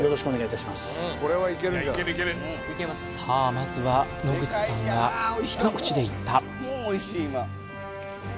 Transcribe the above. まずは野口さんが一口でいった